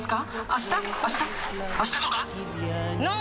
あしたとか？